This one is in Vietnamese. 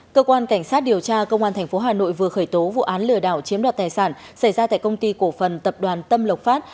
cơ quan cảnh sát điều tra công an tp hà nội vừa khởi tố vụ án lừa đảo chiếm đoạt tài sản xảy ra tại công ty cổ phần tập đoàn tâm lộc phát